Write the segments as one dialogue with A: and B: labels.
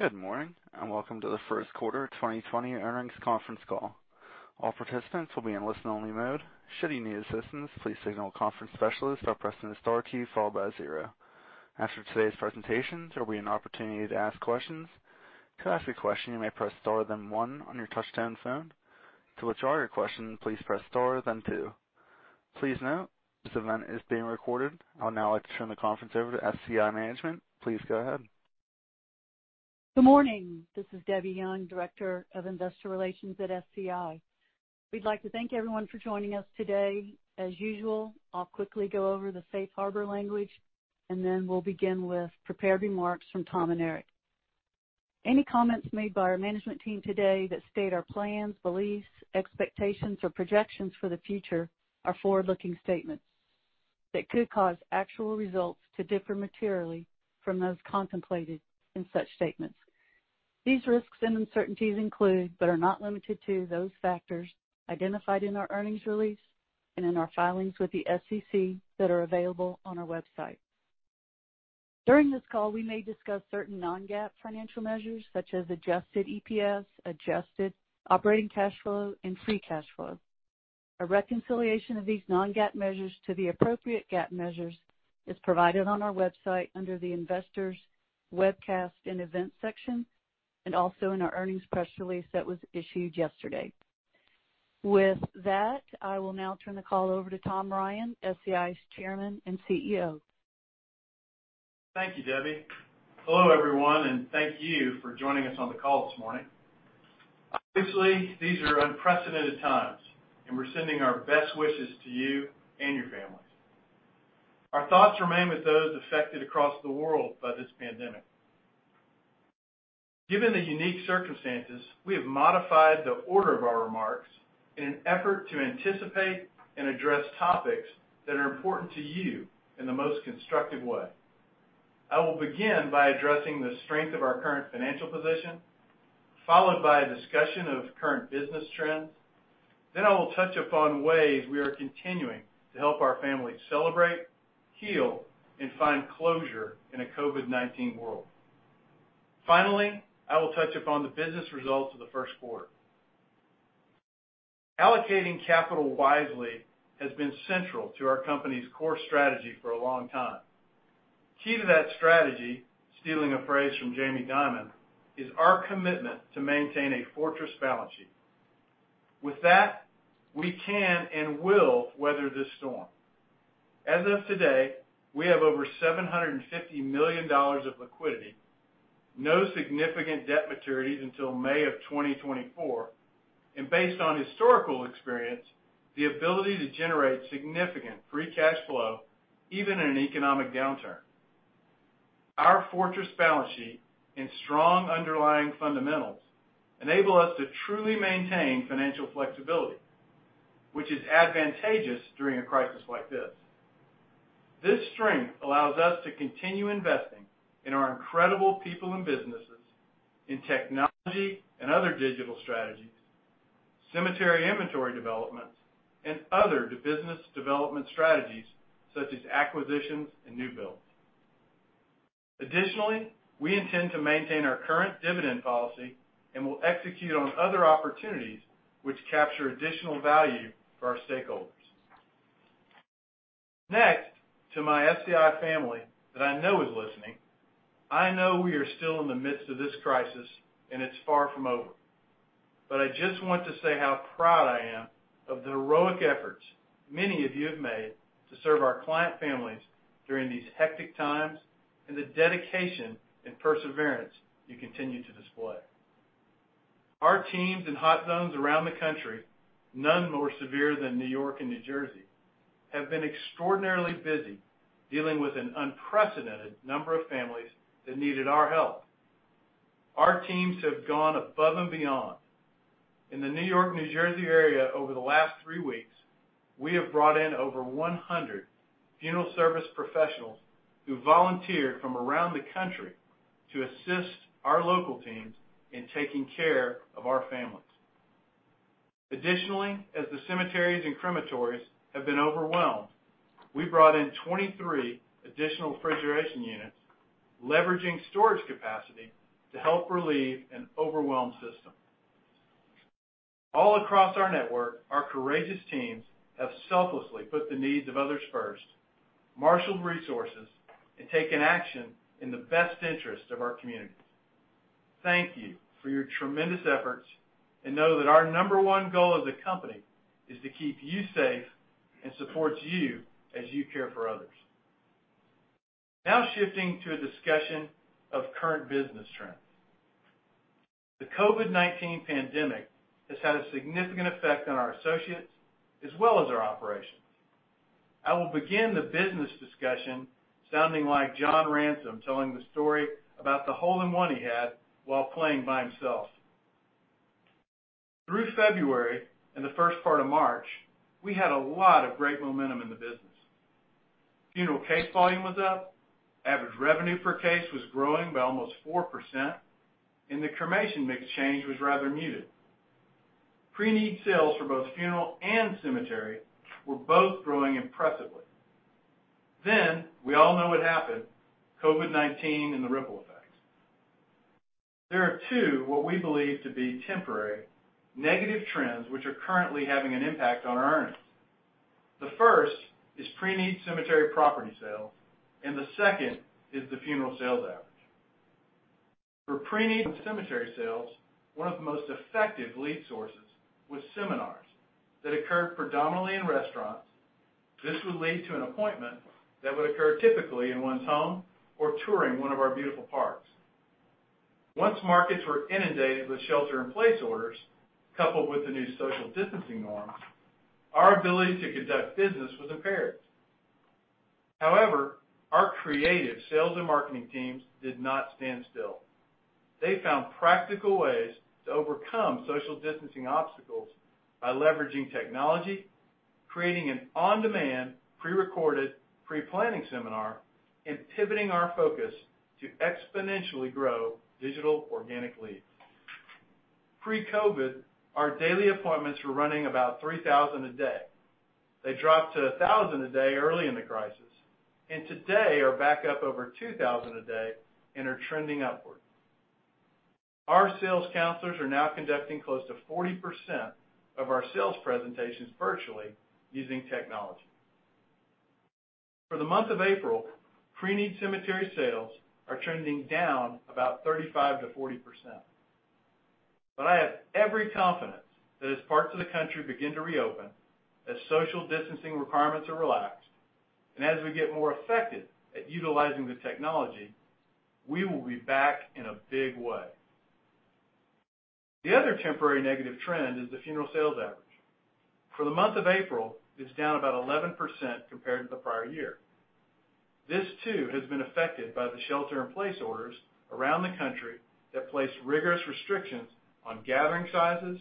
A: Good morning. Welcome to the first quarter 2020 earnings conference call. All participants will be in listen only mode. Should you need assistance, please signal a conference specialist by pressing the star key followed by zero. After today's presentations, there will be an opportunity to ask questions. To ask a question, you may press star, then one on your touch-tone phone. To withdraw your question, please press star, then two. Please note, this event is being recorded. I would now like to turn the conference over to SCI management. Please go ahead.
B: Good morning. This is Debbie Young, Director of Investor Relations at SCI. We'd like to thank everyone for joining us today. As usual, I'll quickly go over the safe harbor language, then we'll begin with prepared remarks from Tom and Eric. Any comments made by our management team today that state our plans, beliefs, expectations, or projections for the future are forward-looking statements that could cause actual results to differ materially from those contemplated in such statements. These risks and uncertainties include, but are not limited to, those factors identified in our earnings release and in our filings with the SEC that are available on our website. During this call, we may discuss certain non-GAAP financial measures such as adjusted EPS, adjusted operating cash flow, and free cash flow. A reconciliation of these non-GAAP measures to the appropriate GAAP measures is provided on our website under the Investors Webcast and Events section, also in our earnings press release that was issued yesterday. With that, I will now turn the call over to Tom Ryan, SCI's Chairman and CEO.
C: Thank you, Debbie. Hello, everyone, and thank you for joining us on the call this morning. Obviously, these are unprecedented times, and we're sending our best wishes to you and your families. Our thoughts remain with those affected across the world by this pandemic. Given the unique circumstances, we have modified the order of our remarks in an effort to anticipate and address topics that are important to you in the most constructive way. I will begin by addressing the strength of our current financial position, followed by a discussion of current business trends. I will touch upon ways we are continuing to help our families celebrate, heal, and find closure in a COVID-19 world. Finally, I will touch upon the business results of the first quarter. Allocating capital wisely has been central to our company's core strategy for a long time. Key to that strategy, stealing a phrase from Jamie Dimon, is our commitment to maintain a fortress balance sheet. With that, we can and will weather this storm. As of today, we have over $750 million of liquidity, no significant debt maturities until May of 2024, and based on historical experience, the ability to generate significant free cash flow, even in an economic downturn. Our fortress balance sheet and strong underlying fundamentals enable us to truly maintain financial flexibility, which is advantageous during a crisis like this. This strength allows us to continue investing in our incredible people and businesses, in technology and other digital strategies, cemetery inventory developments, and other business development strategies such as acquisitions and new builds. Additionally, we intend to maintain our current dividend policy and will execute on other opportunities which capture additional value for our stakeholders. Next, to my SCI family that I know is listening, I know we are still in the midst of this crisis, and it's far from over. I just want to say how proud I am of the heroic efforts many of you have made to serve our client families during these hectic times and the dedication and perseverance you continue to display. Our teams in hot zones around the country, none more severe than New York and New Jersey, have been extraordinarily busy dealing with an unprecedented number of families that needed our help. Our teams have gone above and beyond. In the New York-New Jersey area over the last three weeks, we have brought in over 100 funeral service professionals who volunteered from around the country to assist our local teams in taking care of our families. Additionally, as the cemeteries and crematories have been overwhelmed, we brought in 23 additional refrigeration units, leveraging storage capacity to help relieve an overwhelmed system. All across our network, our courageous teams have selflessly put the needs of others first, marshaled resources, and taken action in the best interest of our communities. Thank you for your tremendous efforts, and know that our number one goal as a company is to keep you safe and support you as you care for others. Now shifting to a discussion of current business trends. The COVID-19 pandemic has had a significant effect on our associates as well as our operations. I will begin the business discussion sounding like John Ransom telling the story about the hole in one he had while playing by himself. Through February and the first part of March, we had a lot of great momentum in the business. Funeral case volume was up, average revenue per case was growing by almost 4%, and the cremation mix change was rather muted. Pre-need sales for both funeral and cemetery were both growing impressively. We all know what happened, COVID-19 and the ripple effects. There are two, what we believe to be temporary negative trends, which are currently having an impact on our earnings. The first is pre-need cemetery property sales, and the second is the funeral sales average. For pre-need cemetery sales, one of the most effective lead sources was seminars that occurred predominantly in restaurants. This would lead to an appointment that would occur typically in one's home or touring one of our beautiful parks. Once markets were inundated with shelter-in-place orders, coupled with the new social distancing norms, our ability to conduct business was impaired. However, our creative sales and marketing teams did not stand still. They found practical ways to overcome social distancing obstacles by leveraging technology, creating an on-demand pre-recorded pre-planning seminar, and pivoting our focus to exponentially grow digital organic leads. Pre-COVID, our daily appointments were running about 3,000 a day. They dropped to 1,000 a day early in the crisis, and today are back up over 2,000 a day and are trending upward. Our sales counselors are now conducting close to 40% of our sales presentations virtually using technology. For the month of April, pre-need cemetery sales are trending down about 35%-40%. I have every confidence that as parts of the country begin to reopen, as social distancing requirements are relaxed, and as we get more effective at utilizing the technology, we will be back in a big way. The other temporary negative trend is the funeral sales average. For the month of April, it's down about 11% compared to the prior year. This too has been affected by the shelter-in-place orders around the country that place rigorous restrictions on gathering sizes,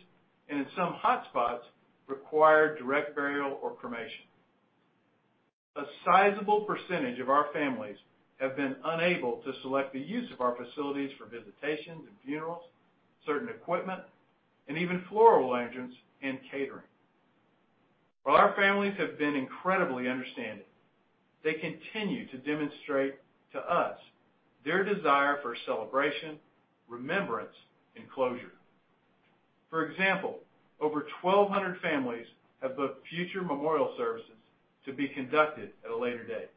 C: and in some hotspots require direct burial or cremation. A sizable percentage of our families have been unable to select the use of our facilities for visitations and funerals, certain equipment, and even floral arrangements and catering. While our families have been incredibly understanding, they continue to demonstrate to us their desire for celebration, remembrance, and closure. For example, over 1,200 families have booked future memorial services to be conducted at a later date.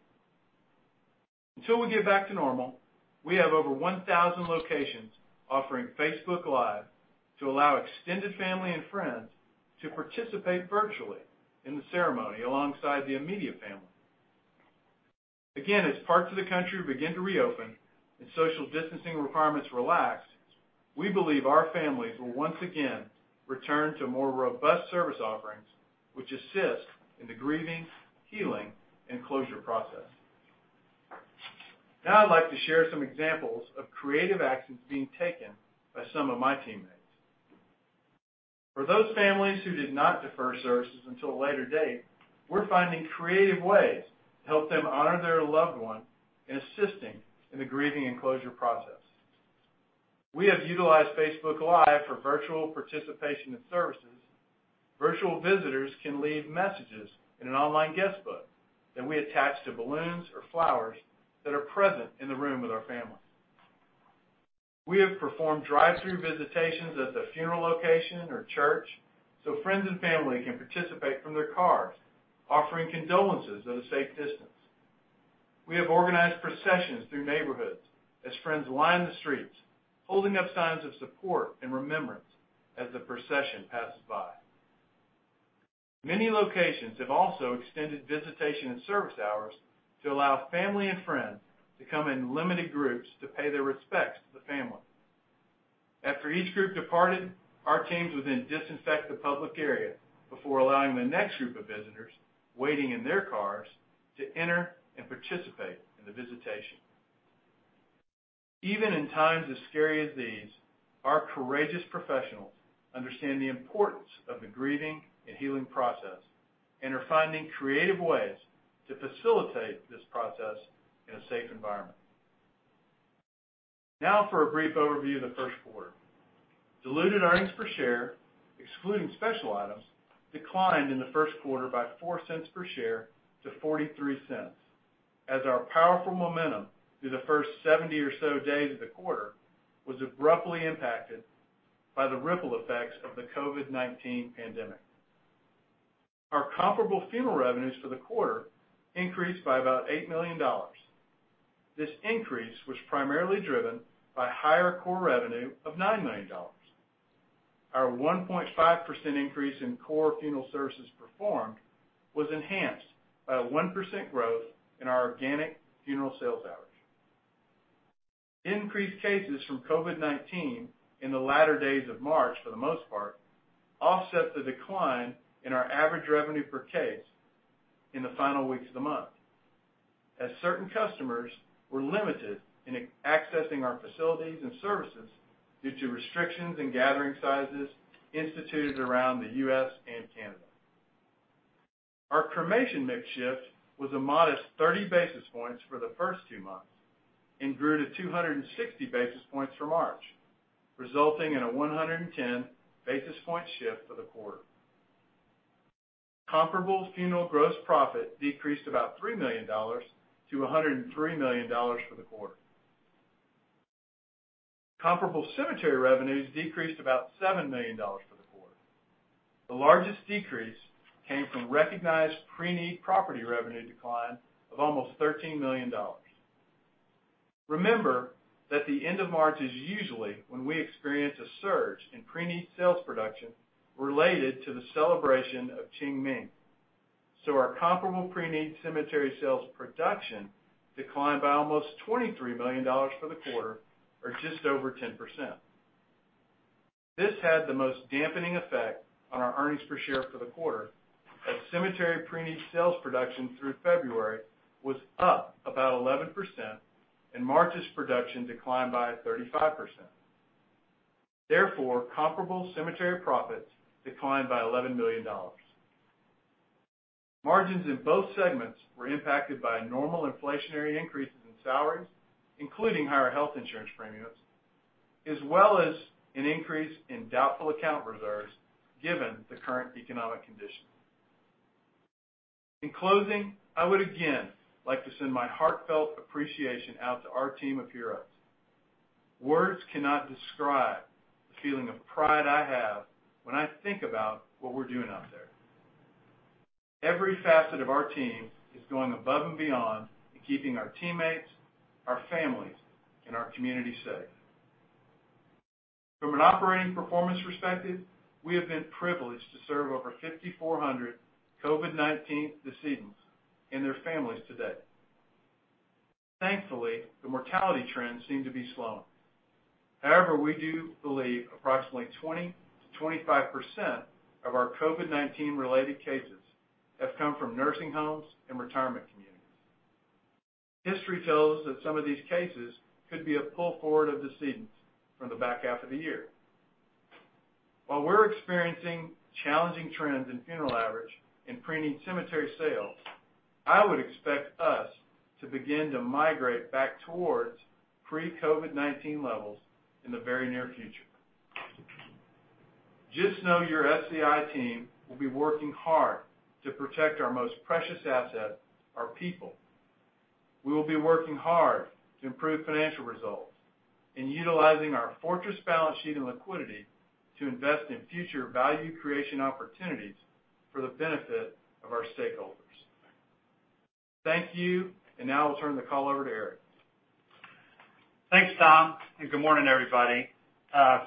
C: Until we get back to normal, we have over 1,000 locations offering Facebook Live to allow extended family and friends to participate virtually in the ceremony alongside the immediate family. Again, as parts of the country begin to reopen and social distancing requirements relax, we believe our families will once again return to more robust service offerings, which assist in the grieving, healing, and closure process. Now I'd like to share some examples of creative actions being taken by some of my teammates. For those families who did not defer services until a later date, we're finding creative ways to help them honor their loved one in assisting in the grieving and closure process. We have utilized Facebook Live for virtual participation in services. Virtual visitors can leave messages in an online guest book that we attach to balloons or flowers that are present in the room with our families. We have performed drive-through visitations at the funeral location or church so friends and family can participate from their cars, offering condolences at a safe distance. We have organized processions through neighborhoods as friends line the streets, holding up signs of support and remembrance as the procession passes by. Many locations have also extended visitation and service hours to allow family and friends to come in limited groups to pay their respects to the family. After each group departed, our teams would then disinfect the public area before allowing the next group of visitors waiting in their cars to enter and participate in the visitation. Even in times as scary as these, our courageous professionals understand the importance of the grieving and healing process and are finding creative ways to facilitate this process in a safe environment. Now for a brief overview of the first quarter. Diluted earnings per share, excluding special items, declined in the first quarter by $0.04 per share to $0.43 as our powerful momentum through the first 70 or so days of the quarter was abruptly impacted by the ripple effects of the COVID-19 pandemic. Our comparable funeral revenues for the quarter increased by about $8 million. This increase was primarily driven by higher core revenue of $9 million. Our 1.5% increase in core funeral services performed was enhanced by a 1% growth in our organic funeral sales average. Increased cases from COVID-19 in the latter days of March, for the most part, offset the decline in our average revenue per case in the final weeks of the month as certain customers were limited in accessing our facilities and services due to restrictions in gathering sizes instituted around the U.S. and Canada. Our cremation mix shift was a modest 30 basis points for the first two months and grew to 260 basis points for March, resulting in a 110 basis point shift for the quarter. Comparable funeral gross profit decreased about $3 million to $103 million for the quarter. Comparable cemetery revenues decreased about $7 million for the quarter. The largest decrease came from recognized pre-need property revenue decline of almost $13 million. Remember that the end of March is usually when we experience a surge in pre-need sales production related to the celebration of Qingming. Our comparable pre-need cemetery sales production declined by almost $23 million for the quarter, or just over 10%. This had the most dampening effect on our earnings per share for the quarter, as cemetery pre-need sales production through February was up about 11%, and March's production declined by 35%. Therefore, comparable cemetery profits declined by $11 million. Margins in both segments were impacted by normal inflationary increases in salaries, including higher health insurance premiums, as well as an increase in doubtful account reserves given the current economic conditions. In closing, I would again like to send my heartfelt appreciation out to our team of heroes. Words cannot describe the feeling of pride I have when I think about what we're doing out there. Every facet of our team is going above and beyond in keeping our teammates, our families, and our communities safe. From an operating performance perspective, we have been privileged to serve over 5,400 COVID-19 decedents and their families to date. Thankfully, the mortality trends seem to be slowing. However, we do believe approximately 20%-25% of our COVID-19 related cases have come from nursing homes and retirement communities. History tells us that some of these cases could be a pull forward of decedents from the back half of the year. While we're experiencing challenging trends in funeral average and pre-need cemetery sales, I would expect us to begin to migrate back towards pre-COVID-19 levels in the very near future. Just know your SCI team will be working hard to protect our most precious asset, our people. We will be working hard to improve financial results and utilizing our fortress balance sheet and liquidity to invest in future value creation opportunities for the benefit of our stakeholders. Thank you. Now I'll turn the call over to Eric.
D: Thanks, Tom. Good morning, everybody.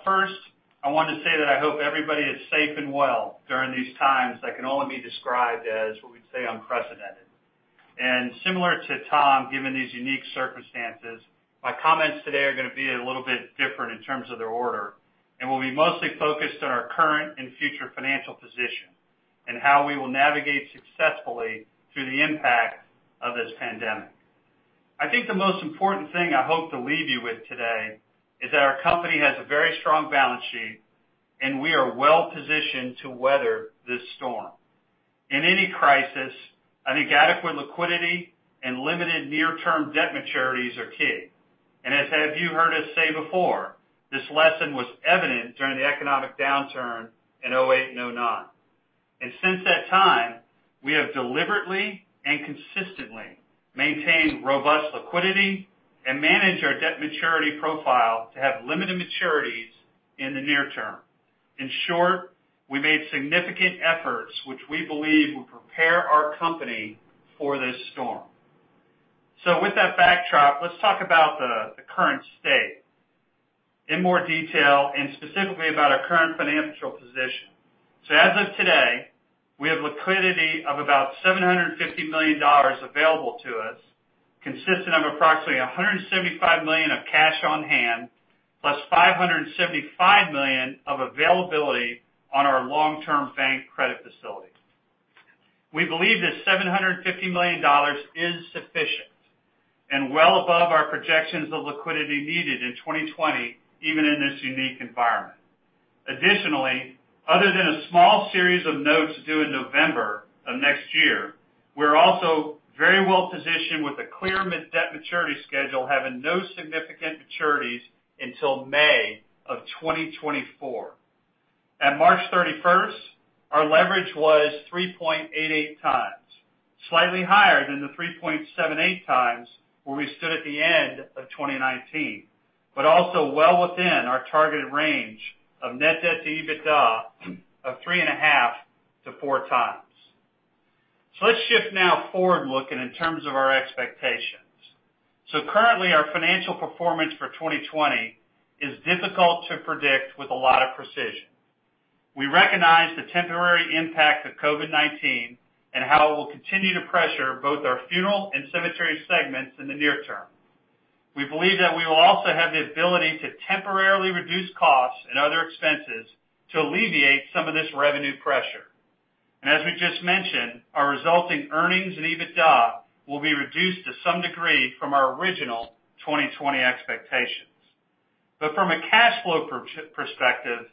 D: First, I wanted to say that I hope everybody is safe and well during these times that can only be described as what we'd say unprecedented. Similar to Tom, given these unique circumstances, my comments today are going to be a little bit different in terms of their order and will be mostly focused on our current and future financial position and how we will navigate successfully through the impact of this pandemic. I think the most important thing I hope to leave you with today is that our company has a very strong balance sheet, and we are well-positioned to weather this storm. In any crisis, I think adequate liquidity and limited near-term debt maturities are key. As you've heard us say before, this lesson was evident during the economic downturn in 2008 and 2009. Since that time, we have deliberately and consistently maintained robust liquidity and managed our debt maturity profile to have limited maturities in the near term. In short, we made significant efforts which we believe will prepare our company for this storm. With that backdrop, let's talk about the current state in more detail and specifically about our current financial position. As of today, we have liquidity of about $750 million available to us, consisting of approximately $175 million of cash on hand, +$575 million of availability on our long-term bank credit facilities. We believe this $750 million is sufficient and well above our projections of liquidity needed in 2020, even in this unique environment. Additionally, other than a small series of notes due in November of next year, we're also very well-positioned with a clear debt maturity schedule, having no significant maturities until May of 2024. At March 31st, our leverage was 3.88x, slightly higher than the 3.78x where we stood at the end of 2019, but also well within our targeted range of net debt to EBITDA of 3.5x-4x. Let's shift now forward-looking in terms of our expectations. Currently, our financial performance for 2020 is difficult to predict with a lot of precision. We recognize the temporary impact of COVID-19 and how it will continue to pressure both our funeral and cemetery segments in the near term. We believe that we will also have the ability to temporarily reduce costs and other expenses to alleviate some of this revenue pressure. As we just mentioned, our resulting earnings and EBITDA will be reduced to some degree from our original 2020 expectations. From a cash flow perspective,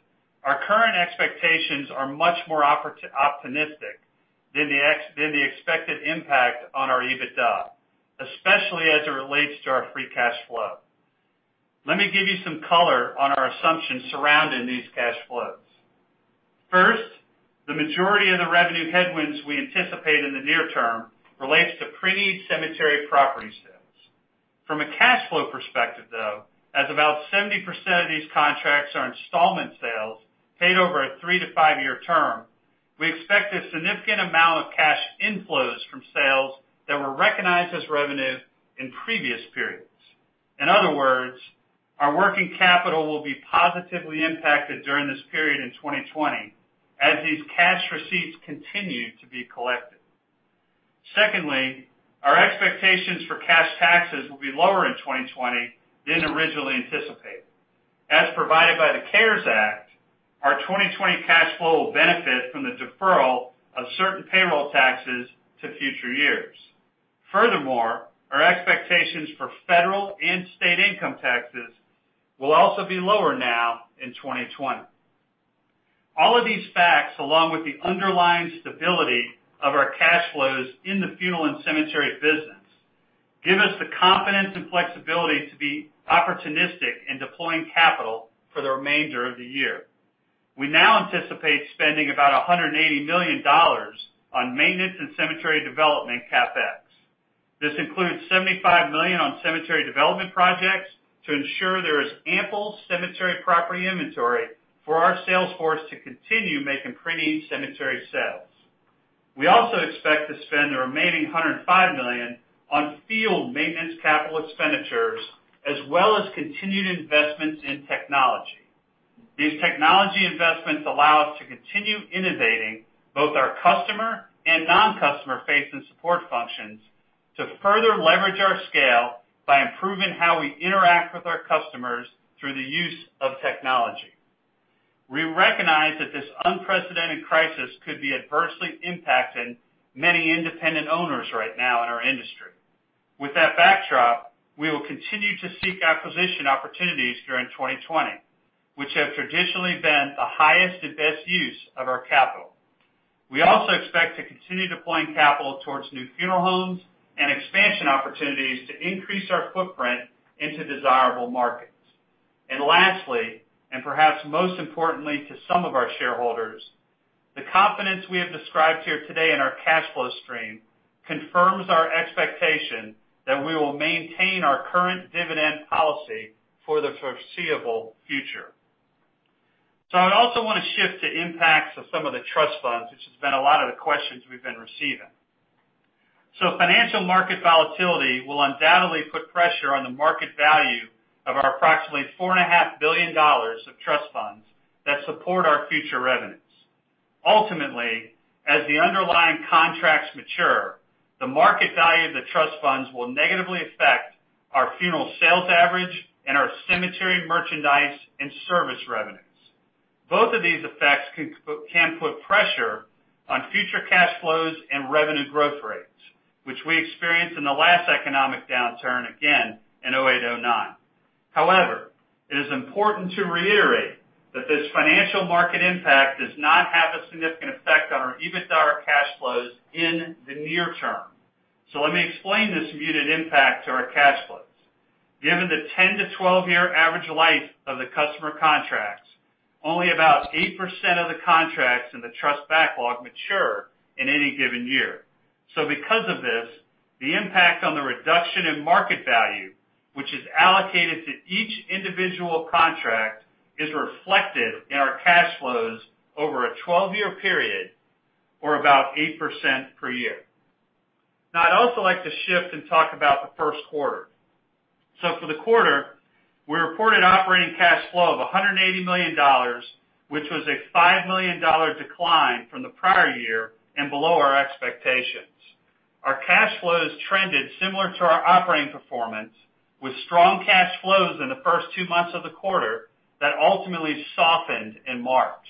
D: our current expectations are much more optimistic than the expected impact on our EBITDA, especially as it relates to our free cash flow. Let me give you some color on our assumptions surrounding these cash flows. First, the majority of the revenue headwinds we anticipate in the near term relates to pre-need cemetery property sales. From a cash flow perspective, though, as about 70% of these contracts are installment sales paid over a three to five-year term, we expect a significant amount of cash inflows from sales that were recognized as revenue in previous periods. In other words, our working capital will be positively impacted during this period in 2020 as these cash receipts continue to be collected. Secondly, our expectations for cash taxes will be lower in 2020 than originally anticipated. As provided by the CARES Act, our 2020 cash flow will benefit from the deferral of certain payroll taxes to future years. Our expectations for federal and state income taxes will also be lower now in 2020. All of these facts, along with the underlying stability of our cash flows in the funeral and cemetery business, give us the confidence and flexibility to be opportunistic in deploying capital for the remainder of the year. We now anticipate spending about $180 million on maintenance and cemetery development CapEx. This includes $75 million on cemetery development projects to ensure there is ample cemetery property inventory for our sales force to continue making pre-need cemetery sales. We also expect to spend the remaining $105 million on field maintenance capital expenditures, as well as continued investments in technology. These technology investments allow us to continue innovating both our customer and non-customer facing support functions to further leverage our scale by improving how we interact with our customers through the use of technology. We recognize that this unprecedented crisis could be adversely impacting many independent owners right now in our industry. With that backdrop, we will continue to seek acquisition opportunities during 2020, which have traditionally been the highest and best use of our capital. We also expect to continue deploying capital towards new funeral homes and expansion opportunities to increase our footprint into desirable markets. Lastly, and perhaps most importantly to some of our shareholders, the confidence we have described here today in our cash flow stream confirms our expectation that we will maintain our current dividend policy for the foreseeable future. I'd also want to shift to impacts of some of the trust funds, which has been a lot of the questions we've been receiving. Financial market volatility will undoubtedly put pressure on the market value of our approximately $4.5 billion of trust funds that support our future revenues. Ultimately, as the underlying contracts mature, the market value of the trust funds will negatively affect our funeral sales average and our cemetery merchandise and service revenues. Both of these effects can put pressure on future cash flows and revenue growth rates, which we experienced in the last economic downturn again in 2008, 2009. However, it is important to reiterate that this financial market impact does not have a significant effect on our EBITDA cash flows in the near term. Let me explain this muted impact to our cash flows. Given the 10-12-year average life of the customer contracts, only about 8% of the contracts in the trust backlog mature in any given year. Because of this, the impact on the reduction in market value, which is allocated to each individual contract, is reflected in our cash flows over a 12-year period or about 8% per year. Now, I'd also like to shift and talk about the first quarter. For the quarter, we reported operating cash flow of $180 million, which was a $5 million decline from the prior year and below our expectations. Our cash flows trended similar to our operating performance with strong cash flows in the first two months of the quarter that ultimately softened in March.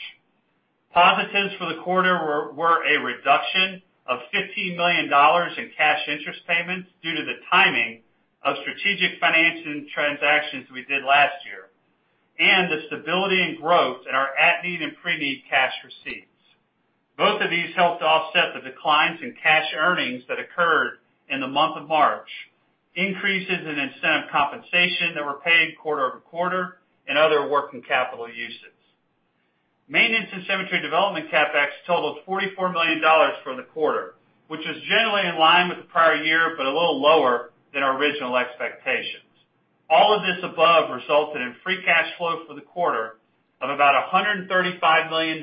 D: Positives for the quarter were a reduction of $15 million in cash interest payments due to the timing of strategic financing transactions we did last year, and the stability and growth in our at-need and pre-need cash receipts. Both of these helped offset the declines in cash earnings that occurred in the month of March, increases in incentive compensation that were paid quarter-over-quarter, and other working capital uses. Maintenance and cemetery development CapEx totaled $44 million for the quarter, which is generally in line with the prior year, but a little lower than our original expectations. All of this above resulted in free cash flow for the quarter of about $135 million,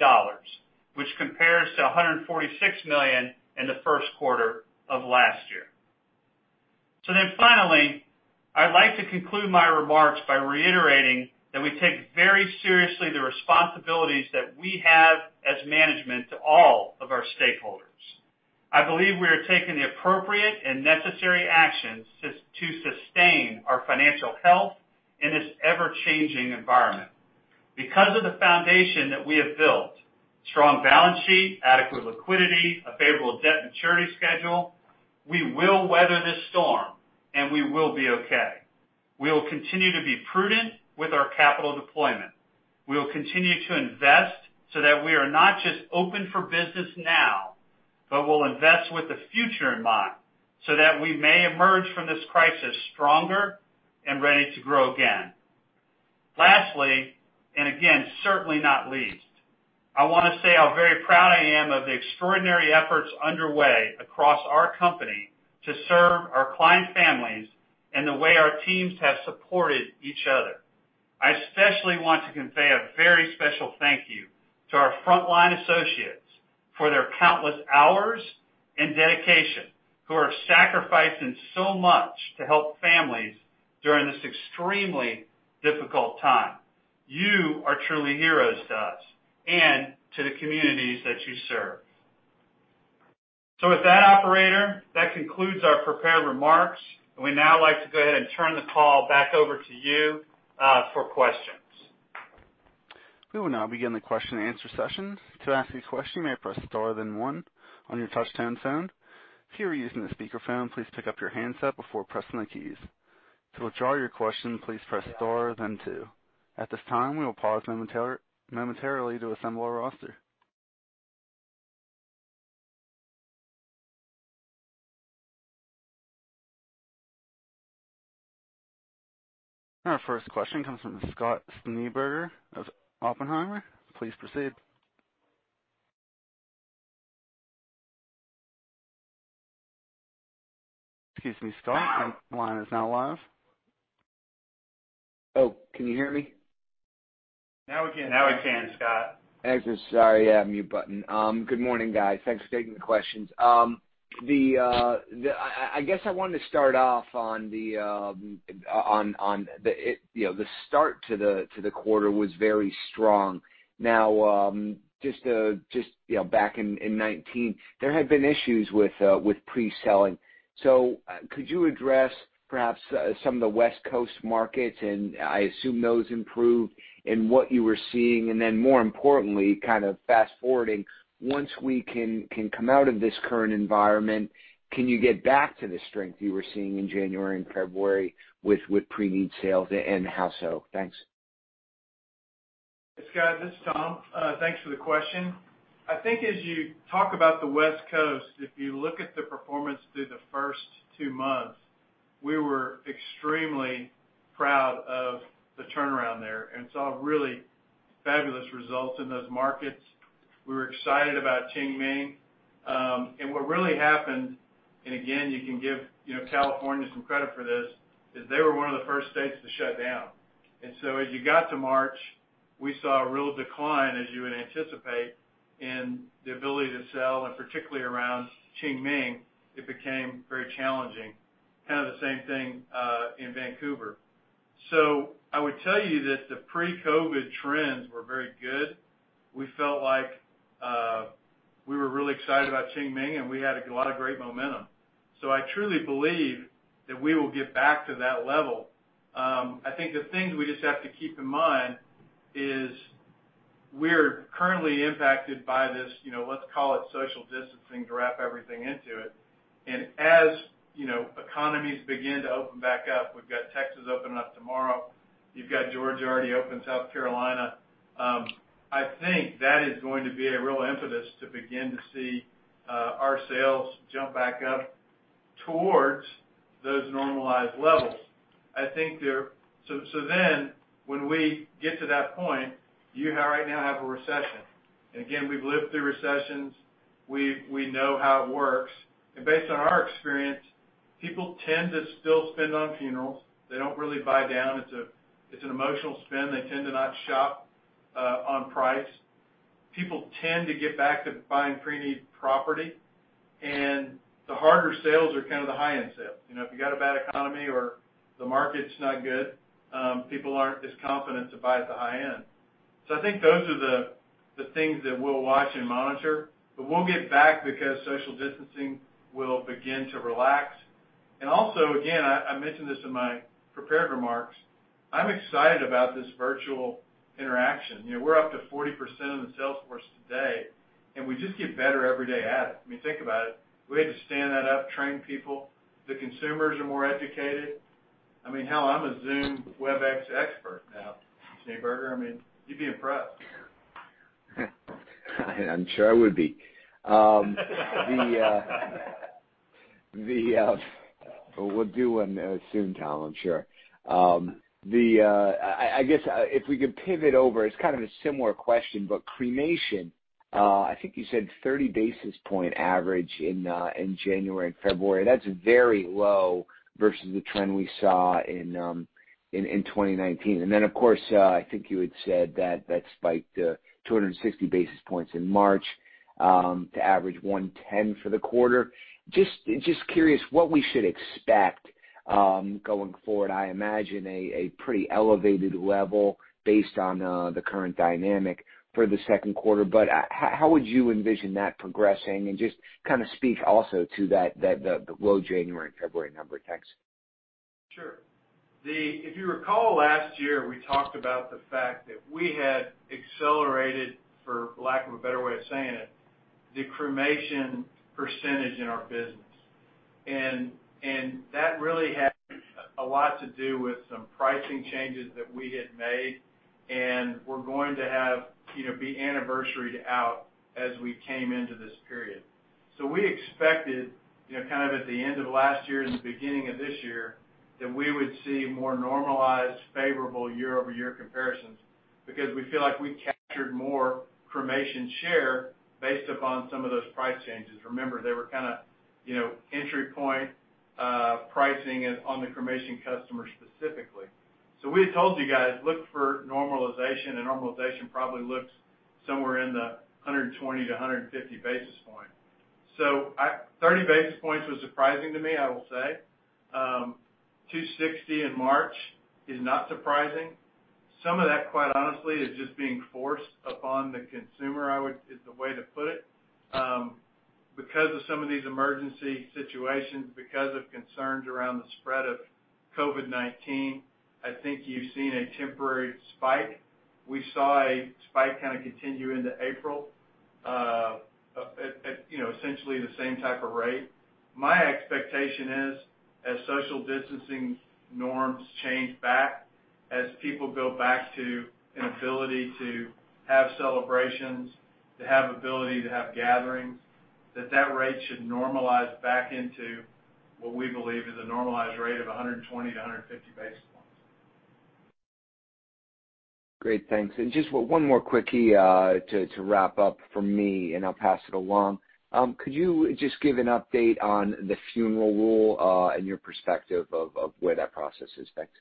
D: which compares to $146 million in the first quarter of last year. Finally, I'd like to conclude my remarks by reiterating that we take very seriously the responsibilities that we have as management to all of our stakeholders. I believe we are taking the appropriate and necessary actions to sustain our financial health in this ever-changing environment. Because of the foundation that we have built, strong balance sheet, adequate liquidity, a favorable debt maturity schedule, we will weather this storm, and we will be okay. We will continue to be prudent with our capital deployment. We will continue to invest so that we are not just open for business now, but we'll invest with the future in mind so that we may emerge from this crisis stronger and ready to grow again. Lastly, again, certainly not least, I want to say how very proud I am of the extraordinary efforts underway across our company to serve our client families and the way our teams have supported each other. I especially want to convey a very special thank you to our frontline associates for their countless hours and dedication, who are sacrificing so much to help families during this extremely difficult time. You are truly heroes to us and to the communities that you serve. With that, operator, that concludes our prepared remarks, and we'd now like to go ahead and turn the call back over to you for questions.
A: We will now begin the question and answer session. To ask a question, you may press star then one on your touch-tone phone. If you are using a speakerphone, please pick up your handset before pressing the keys. To withdraw your question, please press star then two. At this time, we will pause momentarily to assemble our roster. Our first question comes from Scott Schneeberger of Oppenheimer. Please proceed. Excuse me, Scott, your line is now live.
E: Oh, can you hear me?
C: Now we can, Scott.
E: Sorry, mute button. Good morning, guys. Thanks for taking the questions. I guess I wanted to start off on the start to the quarter was very strong. Now, just back in 2019, there had been issues with pre-need. Could you address perhaps some of the West Coast markets, and I assume those improved in what you were seeing? More importantly, kind of fast-forwarding, once we can come out of this current environment, can you get back to the strength you were seeing in January and February with pre-need sales, and how so? Thanks.
C: Scott, this is Tom. Thanks for the question. I think as you talk about the West Coast, if you look at the performance through the first two months, we were extremely proud of the turnaround there and saw really fabulous results in those markets. We were excited about Qingming. What really happened, and again, you can give California some credit for this, is they were one of the first states to shut down. As you got to March, we saw a real decline, as you would anticipate, in the ability to sell, and particularly around Qingming, it became very challenging. Kind of the same thing in Vancouver. I would tell you that the pre-COVID trends were very good. We felt like we were really excited about Qingming, and we had a lot of great momentum. I truly believe that we will get back to that level. I think the things we just have to keep in mind is we're currently impacted by this, let's call it social distancing to wrap everything into it. As economies begin to open back up, we've got Texas opening up tomorrow. You've got Georgia already open, South Carolina. I think that is going to be a real impetus to begin to see our sales jump back up towards those normalized levels. When we get to that point, you right now have a recession. Again, we've lived through recessions. We know how it works. Based on our experience, people tend to still spend on funerals. They don't really buy down. It's an emotional spend. They tend to not shop on price. People tend to get back to buying pre-need property, and the harder sales are kind of the high-end sales. If you got a bad economy or the market's not good, people aren't as confident to buy at the high end. I think those are the things that we'll watch and monitor, but we'll get back because social distancing will begin to relax. Also, again, I mentioned this in my prepared remarks, I'm excited about this virtual interaction. We're up to 40% of the sales force today, and we just get better every day at it. I mean, think about it. We had to stand that up, train people. The consumers are more educated. I mean, hell, I'm a Zoom, Webex expert now. Schneeberger, I mean, you'd be impressed.
E: I'm sure I would be. We'll do one soon, Tom, I'm sure. If we could pivot over, it's kind of a similar question, but cremation, I think you said 30 basis point average in January and February. That's very low versus the trend we saw in 2019. Of course, I think you had said that that spiked 260 basis points in March to average 110 for the quarter. Just curious what we should expect going forward. I imagine a pretty elevated level based on the current dynamic for the second quarter, but how would you envision that progressing? Just kind of speak also to the low January and February number. Thanks.
C: Sure. If you recall last year, we talked about the fact that we had accelerated, for lack of a better way of saying it, the cremation percentage in our business. That really had a lot to do with some pricing changes that we had made, and were going to be anniversaried out as we came into this period. We expected at the end of last year and the beginning of this year, that we would see more normalized, favorable year-over-year comparisons because we feel like we captured more cremation share based upon some of those price changes. Remember, they were entry point pricing on the cremation customer specifically. We had told you guys, look for normalization, and normalization probably looks somewhere in the 120-150 basis point. 30 basis points was surprising to me, I will say. 260 in March is not surprising. Some of that, quite honestly, is just being forced upon the consumer, is the way to put it. Because of some of these emergency situations, because of concerns around the spread of COVID-19, I think you've seen a temporary spike. We saw a spike kind of continue into April, at essentially the same type of rate. My expectation is, as social distancing norms change back, as people go back to an ability to have celebrations, to have ability to have gatherings, that rate should normalize back into what we believe is a normalized rate of 120-150 basis points.
E: Great. Thanks. Just one more quickie to wrap up from me, and I'll pass it along. Could you just give an update on the Funeral Rule and your perspective of where that process is, thanks?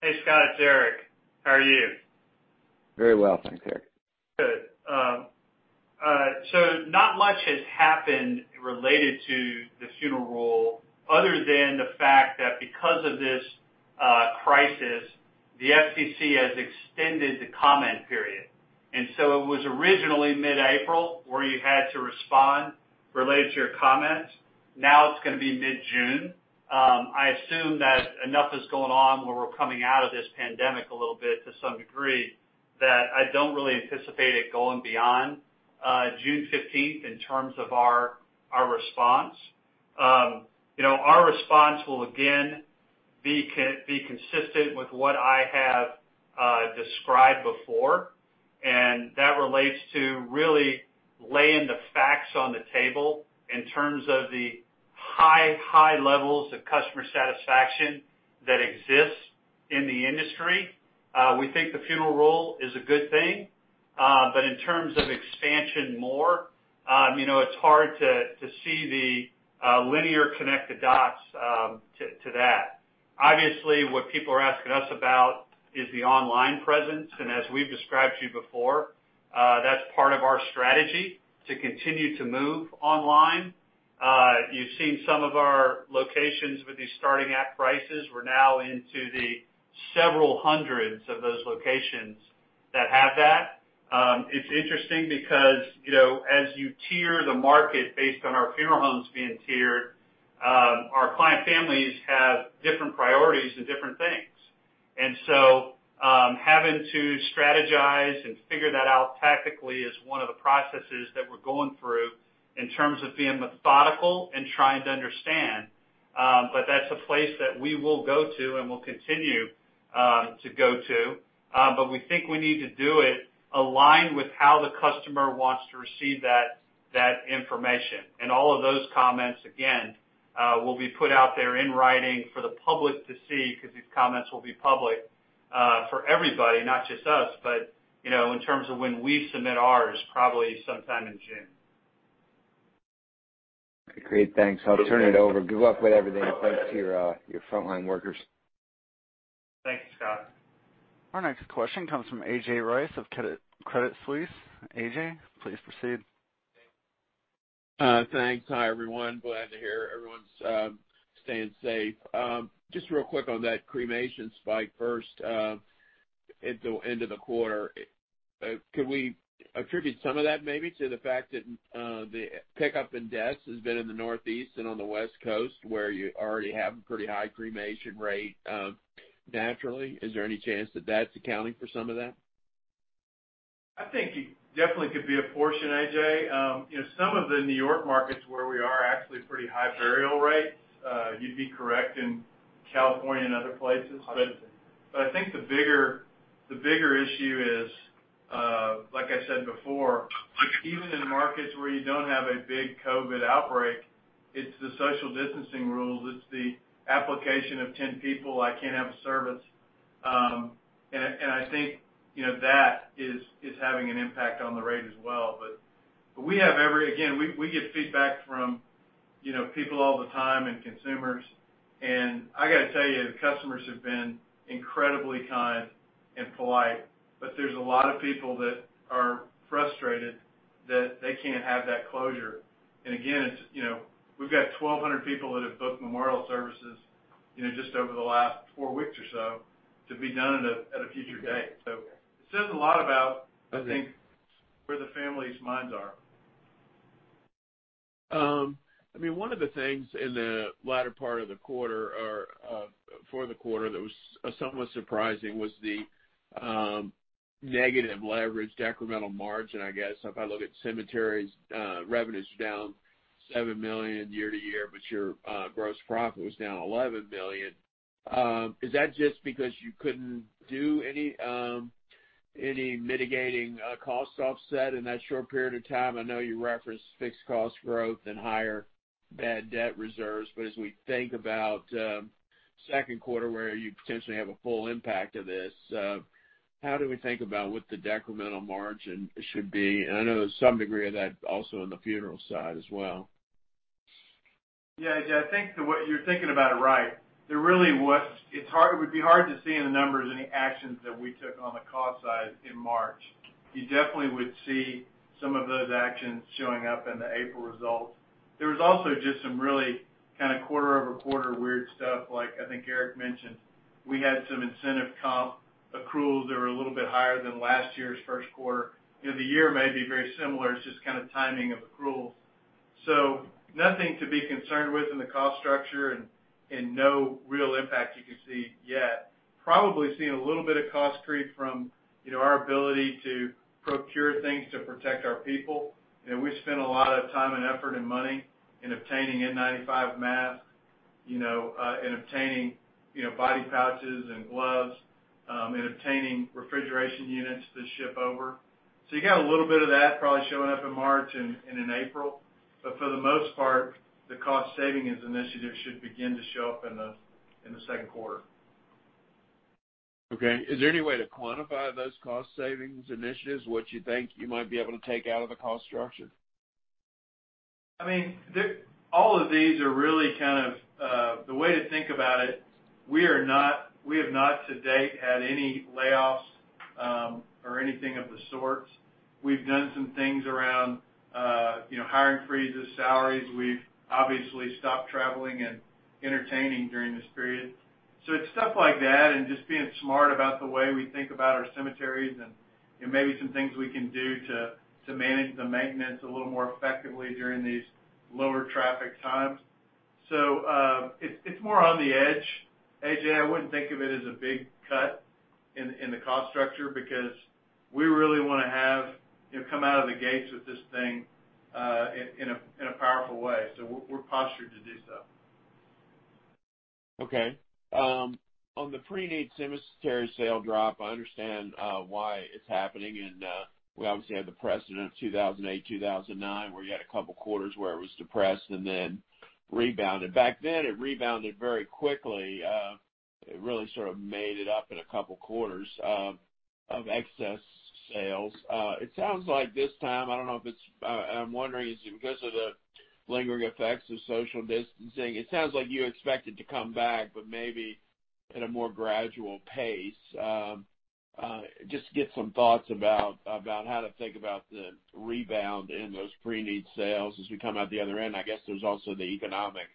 D: Hey, Scott, it's Eric. How are you?
E: Very well, thanks, Eric.
D: Good. Not much has happened related to the Funeral Rule other than the fact that because of this crisis, the FTC has extended the comment period. It was originally mid-April where you had to respond related to your comments. Now it's going to be mid-June. I assume that enough is going on where we're coming out of this pandemic a little bit to some degree, that I don't really anticipate it going beyond June 15th in terms of our response. Our response will again be consistent with what I have described before, and that relates to really laying the facts on the table in terms of the high levels of customer satisfaction that exists in the industry. We think the Funeral Rule is a good thing. In terms of expansion more, it's hard to see the linear connected dots to that. What people are asking us about is the online presence, as we've described to you before, that's part of our strategy to continue to move online. You've seen some of our locations with these starting at prices. We're now into the several hundreds of those locations that have that. It's interesting because as you tier the market based on our funeral homes being tiered, our client families have different priorities and different things. So, having to strategize and figure that out tactically is one of the processes that we're going through in terms of being methodical and trying to understand. That's a place that we will go to and will continue to go to. We think we need to do it aligned with how the customer wants to receive that information. All of those comments, again, will be put out there in writing for the public to see, because these comments will be public for everybody, not just us. In terms of when we submit ours, probably sometime in June.
E: Great, thanks. I'll turn it over. Good luck with everything and thanks to your frontline workers.
C: Thank you, Scott.
A: Our next question comes from A.J. Rice of Credit Suisse. A.J., please proceed.
F: Thanks. Hi, everyone. Glad to hear everyone's staying safe. Just real quick on that cremation spike first into end of the quarter. Could we attribute some of that maybe to the fact that the pickup in deaths has been in the Northeast and on the West Coast, where you already have a pretty high cremation rate naturally? Is there any chance that that's accounting for some of that?
C: I think it definitely could be a portion, A.J. Some of the New York markets where we are actually pretty high burial rates. You'd be correct in California and other places. I think the bigger issue is, like I said before, even in markets where you don't have a big COVID outbreak, it's the social distancing rules. It's the application of 10 people, I can't have a service. I think that is having an impact on the rate as well. Again, we get feedback from people all the time and consumers, I got to tell you, the customers have been incredibly kind and polite. There's a lot of people that are frustrated that they can't have that closure. Again, we've got 1,200 people that have booked memorial services just over the last four weeks or so to be done at a future date. It says a lot about, I think, where the families' minds are.
F: One of the things in the latter part of the quarter, or for the quarter, that was somewhat surprising was the negative leverage decremental margin, I guess. If I look at cemeteries, revenues are down $7 million year-over-year, but your gross profit was down $11 million. Is that just because you couldn't do any mitigating cost offset in that short period of time? I know you referenced fixed cost growth and higher bad debt reserves, but as we think about second quarter where you potentially have a full impact of this, how do we think about what the decremental margin should be? I know there's some degree of that also in the funeral side as well.
C: Yeah, A.J., I think you're thinking about it right. It would be hard to see in the numbers any actions that we took on the cost side in March. You definitely would see some of those actions showing up in the April results. There was also just some really kind of quarter-over-quarter weird stuff like I think Eric mentioned. We had some incentive comp accruals that were a little bit higher than last year's first quarter. The year may be very similar, it's just kind of timing of accruals. Nothing to be concerned with in the cost structure and no real impact you can see yet. Probably seeing a little bit of cost creep from our ability to procure things to protect our people. We spent a lot of time and effort and money in obtaining N95 masks, in obtaining body pouches and gloves, in obtaining refrigeration units to ship over. You got a little bit of that probably showing up in March and in April. For the most part, the cost savings initiatives should begin to show up in the second quarter.
F: Okay. Is there any way to quantify those cost savings initiatives? What you think you might be able to take out of the cost structure?
C: All of these are really kind of, the way to think about it, we have not to date had any layoffs or anything of the sort. We've done some things around hiring freezes, salaries. We've obviously stopped traveling and entertaining during this period. It's stuff like that and just being smart about the way we think about our cemeteries and maybe some things we can do to manage the maintenance a little more effectively during these lower traffic times. It's more on the edge, A.J. I wouldn't think of it as a big cut in the cost structure because we really want to come out of the gates with this thing in a powerful way. We're postured to do so.
F: Okay. On the pre-need cemetery sale drop, I understand why it's happening. We obviously had the precedent of 2008, 2009, where you had a couple of quarters where it was depressed and then rebounded. Back then, it rebounded very quickly, it really sort of made it up in a couple quarters of excess sales. It sounds like this time, I'm wondering is it because of the lingering effects of social distancing? It sounds like you expect it to come back, maybe at a more gradual pace. Just to get some thoughts about how to think about the rebound in those pre-need sales as we come out the other end. I guess there's also the economic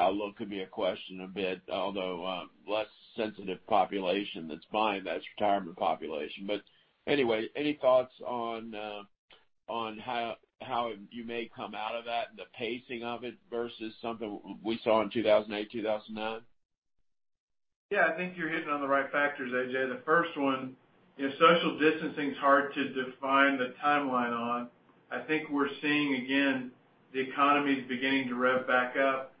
F: outlook could be a question a bit, although, less sensitive population that's buying, that's retirement population. Anyway, any thoughts on how you may come out of that and the pacing of it versus something we saw in 2008, 2009?
C: Yeah, I think you're hitting on the right factors, A.J. The first one, social distancing is hard to define the timeline on. I think we're seeing, again, the economy's beginning to rev back up.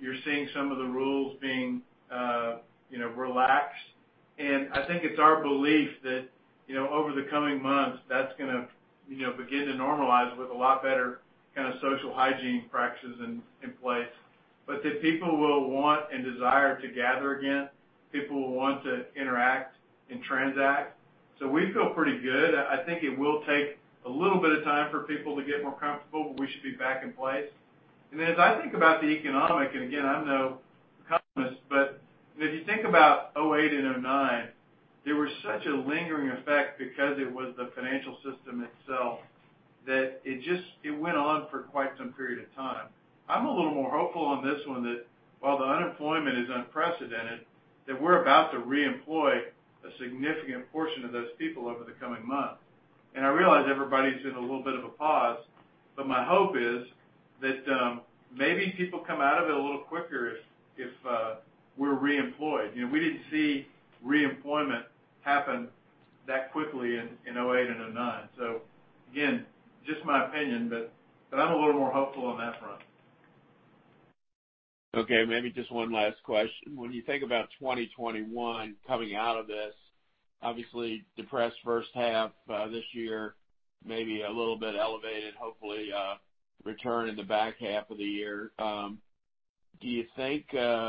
C: You're seeing some of the rules being relaxed. I think it's our belief that over the coming months, that's going to begin to normalize with a lot better kind of social hygiene practices in place. That people will want and desire to gather again. People will want to interact and transact. We feel pretty good. I think it will take a little bit of time for people to get more comfortable, but we should be back in place. As I think about the economic, and again, I'm no economist, but if you think about 2008 and 2009, there was such a lingering effect because it was the financial system itself that it went on for quite some period of time. I'm a little more hopeful on this one that while the unemployment is unprecedented, that we're about to reemploy a significant portion of those people over the coming months. I realize everybody's in a little bit of a pause, but my hope is that maybe people come out of it a little quicker if we're reemployed. We didn't see reemployment happen that quickly in 2008 and 2009. Again, just my opinion, but I'm a little more hopeful on that front.
F: Okay, maybe just one last question. When you think about 2021 coming out of this, obviously depressed first half of this year, maybe a little bit elevated, hopefully a return in the back half of the year.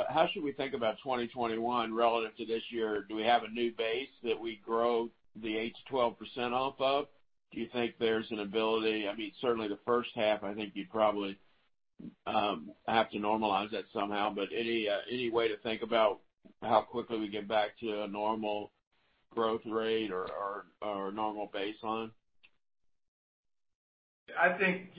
F: How should we think about 2021 relative to this year? Do we have a new base that we grow the 8%-12% off of? Do you think there's an ability? Certainly the first half, I think you probably have to normalize that somehow. Any way to think about how quickly we get back to a normal growth rate or a normal baseline?
C: I think,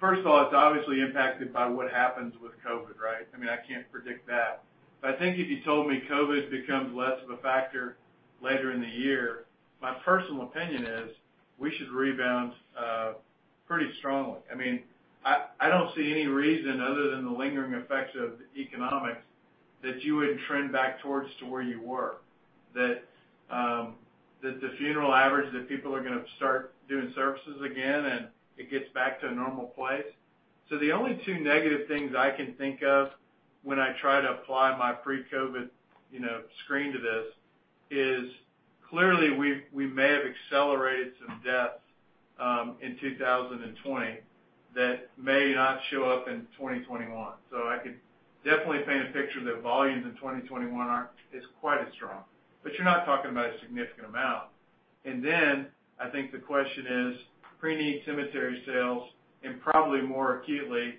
C: first of all, it's obviously impacted by what happens with COVID, right? I can't predict that. I think if you told me COVID becomes less of a factor later in the year, my personal opinion is we should rebound pretty strongly. I don't see any reason other than the lingering effects of economics that you wouldn't trend back towards to where you were, that the funeral average, that people are going to start doing services again, and it gets back to a normal place. The only two negative things I can think of when I try to apply my pre-COVID screen to this is clearly we may have accelerated some deaths in 2020 that may not show up in 2021. I could definitely paint a picture that volumes in 2021 aren't as quite as strong, but you're not talking about a significant amount. I think the question is pre-need cemetery sales and probably more acutely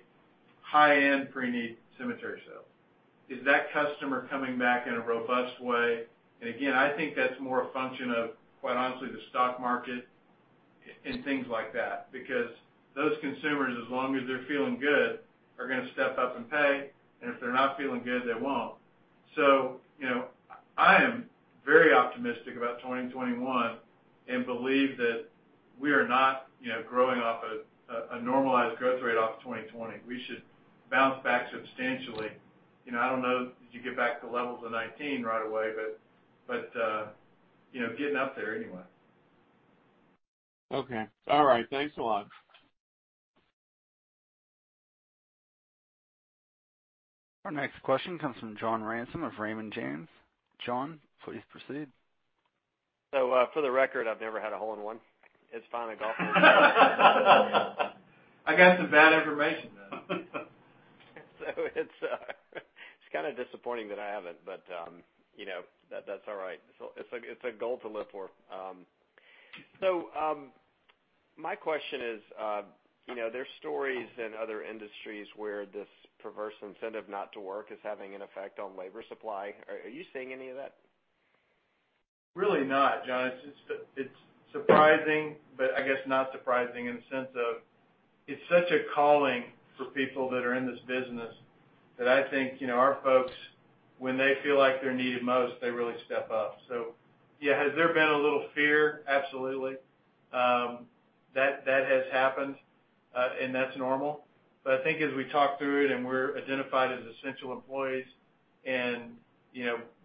C: high-end pre-need cemetery sales. Is that customer coming back in a robust way? Again, I think that's more a function of, quite honestly, the stock market and things like that because those consumers, as long as they're feeling good, are going to step up and pay, and if they're not feeling good, they won't. I am very optimistic about 2021 and believe that we are not growing off a normalized growth rate off 2020. We should bounce back substantially. I don't know that you get back to levels of 2019 right away, but getting up there anyway.
F: Okay. All right. Thanks a lot.
A: Our next question comes from John Ransom of Raymond James. John, please proceed.
G: For the record, I've never had a hole in one. It's fine, I golf.
C: I got some bad information then.
G: It's kind of disappointing that I haven't, but that's all right. It's a goal to live for. My question is, there's stories in other industries where this perverse incentive not to work is having an effect on labor supply. Are you seeing any of that?
C: Really not, John. It's surprising, but I guess not surprising in the sense of it's such a calling for people that are in this business that I think, our folks, when they feel like they're needed most, they really step up. Yeah, has there been a little fear? Absolutely. That has happened, and that's normal. I think as we talk through it and we're identified as essential employees and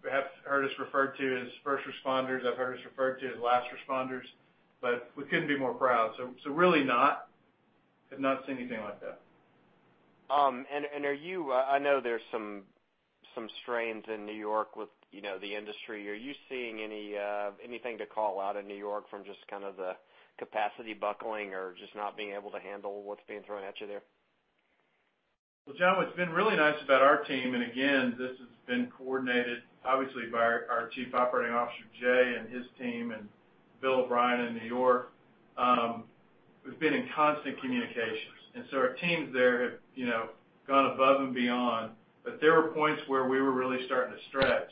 C: perhaps heard us referred to as first responders, I've heard us referred to as last responders, but we couldn't be more proud. Really not. Have not seen anything like that.
G: I know there's some strains in New York with the industry. Are you seeing anything to call out in New York from just kind of the capacity buckling or just not being able to handle what's being thrown at you there?
C: John, what's been really nice about our team, and again, this has been coordinated obviously by our Chief Operating Officer, Jay, and his team and Bill O'Brien in New York. We've been in constant communications, our teams there have gone above and beyond, there were points where we were really starting to stretch.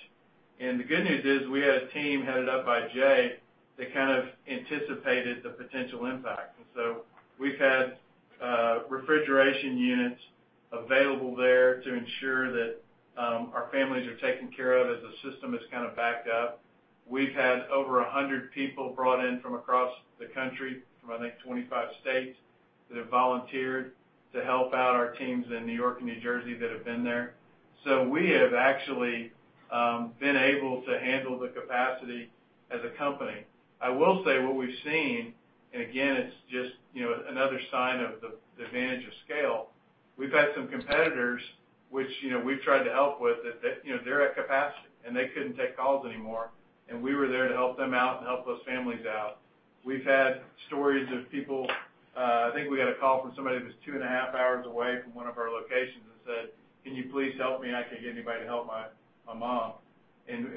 C: The good news is we had a team headed up by Jay that kind of anticipated the potential impact. We've had refrigeration units available there to ensure that our families are taken care of as the system is kind of backed up. We've had over 100 people brought in from across the country from, I think, 25 states that have volunteered to help out our teams in New York and New Jersey that have been there. We have actually been able to handle the capacity as a company. I will say what we've seen, again, it's just another sign of the advantage of scale. We've had some competitors, which we've tried to help with that, they're at capacity, they couldn't take calls anymore, we were there to help them out and help those families out. We've had stories of people, I think we had a call from somebody that was two and a half hours away from one of our locations and said, "Can you please help me? I can't get anybody to help my mom."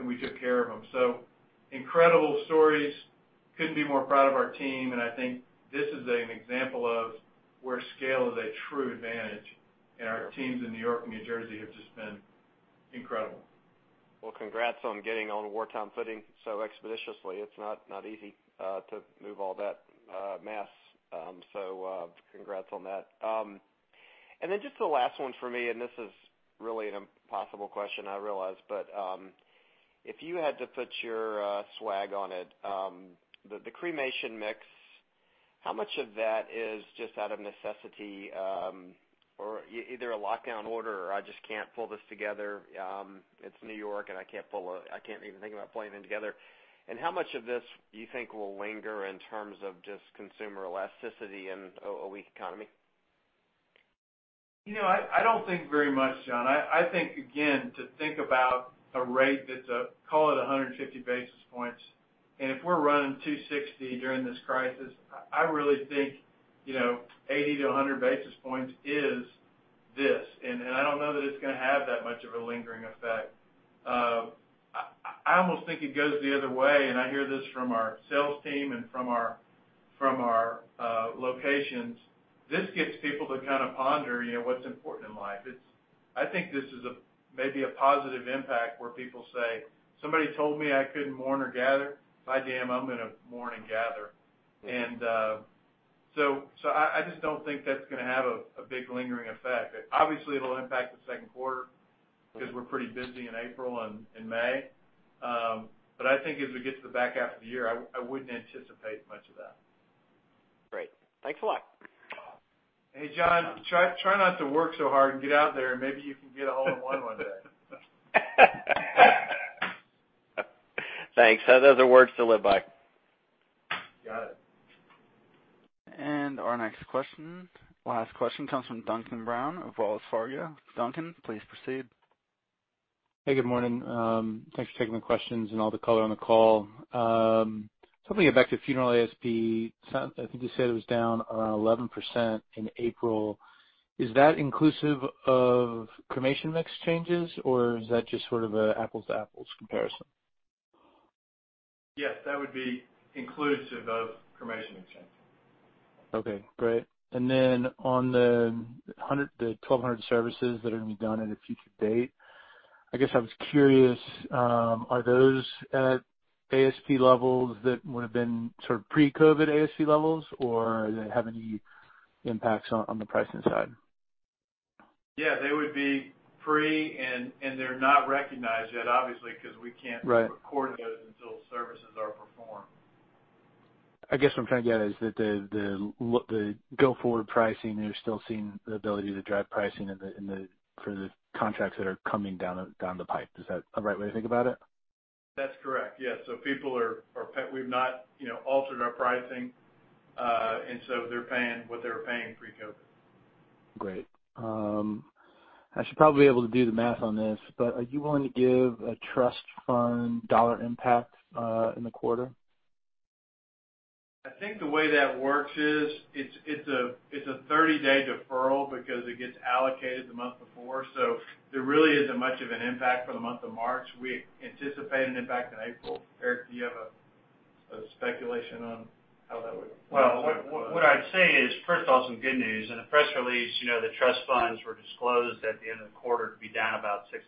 C: We took care of them. Incredible stories. Couldn't be more proud of our team, I think this is an example of where scale is a true advantage, our teams in New York and New Jersey have just been incredible.
G: Well, congrats on getting on wartime footing so expeditiously. It's not easy to move all that mass. Congrats on that. Just the last one for me, and this is really an impossible question, I realize, but, if you had to put your swag on it, the cremation mix, how much of that is just out of necessity? Either a lockdown order or I just can't pull this together. It's New York and I can't even think about pulling them together. How much of this you think will linger in terms of just consumer elasticity and a weak economy?
C: I don't think very much, John. I think, again, to think about a rate that's, call it 150 basis points, and if we're running 260 during this crisis, I really think, 80-100 basis points is this. I don't know that it's going to have that much of a lingering effect. I almost think it goes the other way, and I hear this from our sales team and from our locations. This gets people to kind of ponder what's important in life. I think this is maybe a positive impact where people say, "Somebody told me I couldn't mourn or gather? By damn, I'm going to mourn and gather." I just don't think that's going to have a big lingering effect. Obviously, it'll impact the second quarter because we're pretty busy in April and in May. I think as we get to the back half of the year, I wouldn't anticipate much of that.
G: Great. Thanks a lot.
C: Hey, John, try not to work so hard and get out there, and maybe you can get a hole in one one day.
G: Thanks. Those are words to live by.
C: Got it.
A: Our next question, last question, comes from Duncan Brown of Wells Fargo. Duncan, please proceed.
H: Hey, good morning. Thanks for taking the questions and all the color on the call. Hoping to get back to funeral ASP. I think you said it was down 11% in April. Is that inclusive of cremation mix changes, or is that just sort of an apples-to-apples comparison?
C: Yes, that would be inclusive of cremation mix changes.
H: Okay, great. On the 1,200 services that are going to be done at a future date, I guess I was curious, are those at ASP levels that would have been pre-COVID ASP levels, or do they have any impacts on the pricing side?
C: Yeah, they would be free, and they're not recognized yet, obviously, because we can't.
H: Right.
C: Record those until services are performed.
H: I guess what I'm trying to get at is that the go-forward pricing, you're still seeing the ability to drive pricing for the contracts that are coming down the pipe. Is that a right way to think about it?
C: That's correct. Yeah. We've not altered our pricing. They're paying what they were paying pre-COVID-19.
H: Great. I should probably be able to do the math on this, but are you willing to give a trust fund dollar impact in the quarter?
C: I think the way that works is, it's a 30-day deferral because it gets allocated the month before, so there really isn't much of an impact for the month of March. We anticipate an impact in April. Eric, do you have a speculation on how that would work?
D: Well, what I'd say is, first off, some good news. In the press release, the trust funds were disclosed at the end of the quarter to be down about 16%.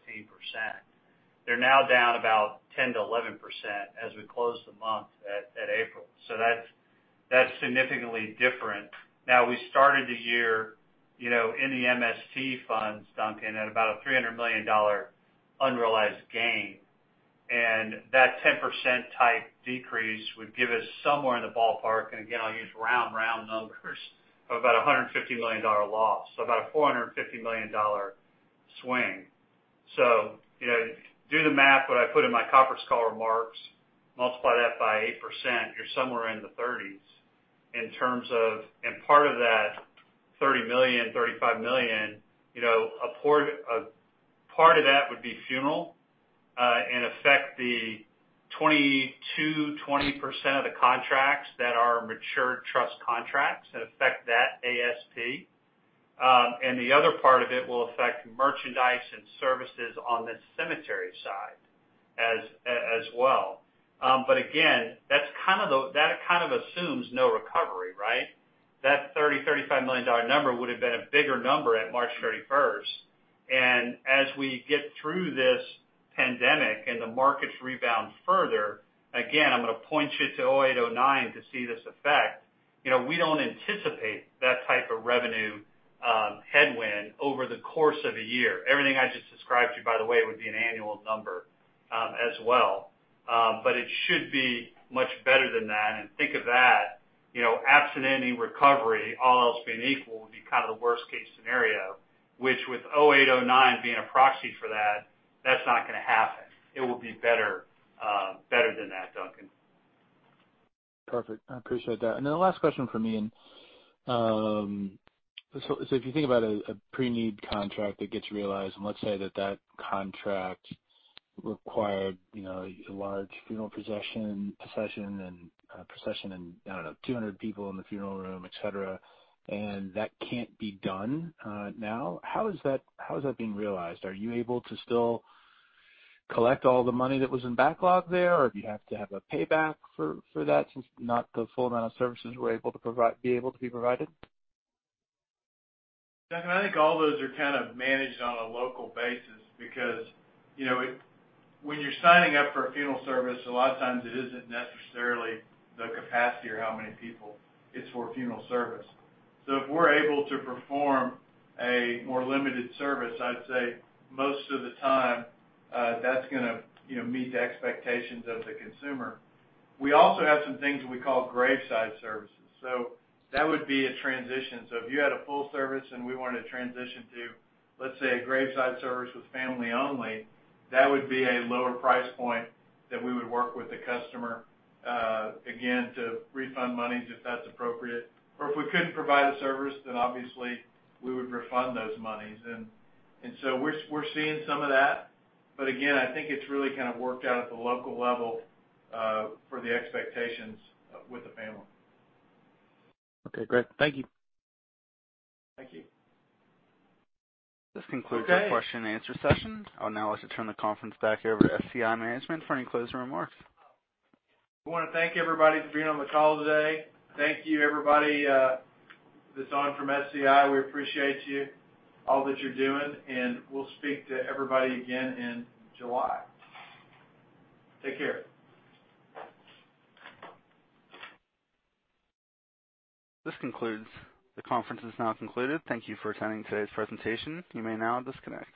D: They're now down about 10%-11% as we close the month at April. That's significantly different. Now, we started the year, in the MST funds, Duncan, at about a $300 million unrealized gain. That 10%-type decrease would give us somewhere in the ballpark, and again, I'll use round numbers, of about a $150 million loss. About a $450 million swing. Do the math what I put in my conference call remarks, multiply that by 8%, you're somewhere in the $30 million. Part of that $30 million, $35 million, a part of that would be funeral, and affect the 22%, 20% of the contracts that are mature trust contracts, that affect that ASP. The other part of it will affect merchandise and services on the cemetery side as well. Again, that kind of assumes no recovery, right? That $30 million, $35 million number would have been a bigger number at March 31st. As we get through this pandemic and the markets rebound further, again, I'm going to point you to 2008, 2009 to see this effect. We don't anticipate that type of revenue headwind over the course of a year. Everything I just described to you, by the way, would be an annual number as well. It should be much better than that, and think of that, absent any recovery, all else being equal, would be kind of the worst-case scenario, which with 2008, 2009 being a proxy for that's not going to happen. It will be better than that, Duncan.
H: Perfect. I appreciate that. The last question from me. If you think about a pre-need contract that gets realized, and let's say that contract required a large funeral procession and, I don't know, 200 people in the funeral room, et cetera, and that can't be done now, how is that being realized? Are you able to still collect all the money that was in backlog there, or do you have to have a payback for that, since not the full amount of services were able to be provided?
C: Duncan, I think all those are kind of managed on a local basis because when you're signing up for a funeral service, a lot of times it isn't necessarily the capacity or how many people, it's for a funeral service. If we're able to perform a more limited service, I'd say most of the time, that's going to meet the expectations of the consumer. We also have some things that we call graveside services. That would be a transition. If you had a full service and we wanted to transition to, let's say, a graveside service with family only, that would be a lower price point that we would work with the customer, again, to refund monies, if that's appropriate. If we couldn't provide a service, then obviously, we would refund those monies. We're seeing some of that. Again, I think it's really kind of worked out at the local level, for the expectations with the family.
H: Okay, great. Thank you.
C: Thank you.
A: This concludes our question and answer session. I would now like to turn the conference back over to SCI management for any closing remarks.
C: We want to thank everybody for being on the call today. Thank you everybody that's on from SCI. We appreciate you, all that you're doing, and we'll speak to everybody again in July. Take care.
A: This concludes. The conference is now concluded. Thank you for attending today's presentation. You may now disconnect.